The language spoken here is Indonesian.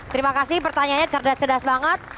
terima kasih pertanyaannya cerdas cerdas banget